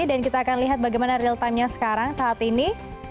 dan kita akan lihat bagaimana real time nya sekarang saat ini